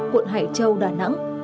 quận hải châu đà nẵng